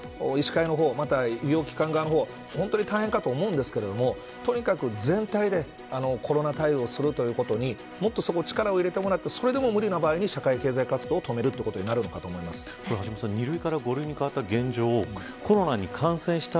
僕は、医師会の方また医療機関側の方は本当に大変かとは思うんですがとにかく全体でコロナ対応をするということにもっと力を入れてもらってそれでも無理な場合に社会経済活動を止めることに２類から５類に変わった現状